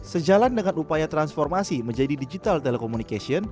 sejalan dengan upaya transformasi menjadi digital telekomunikasi